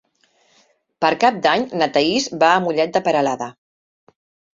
Per Cap d'Any na Thaís va a Mollet de Peralada.